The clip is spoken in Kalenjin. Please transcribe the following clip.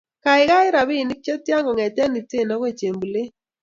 Gaigai, robinik chetyaa kongete iten agoi chembulet